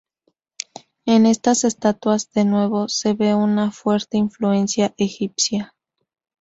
En estas estatuas, de nuevo, se ve una fuerte influencia egipcia.